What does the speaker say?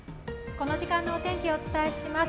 この時間のお天気をお伝えします。